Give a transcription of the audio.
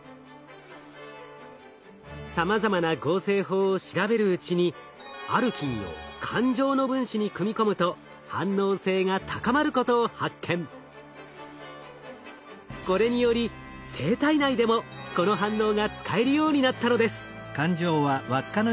さまざまな合成法を調べるうちにアルキンをこれにより生体内でもこの反応が使えるようになったのです。